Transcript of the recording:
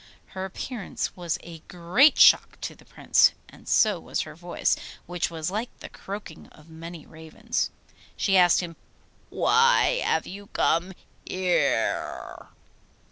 Her appearance was a great shock to the Prince, and so was her voice, which was like the croaking of many ravens. She asked him, 'Why have you come here?